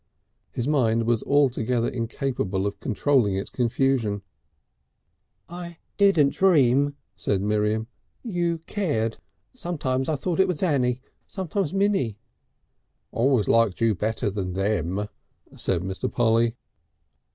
His mind was altogether incapable of controlling its confusion. "I didn't dream," said Miriam, "you cared . Sometimes I thought it was Annie, sometimes Minnie " "Always liked you better than them," said Mr. Polly.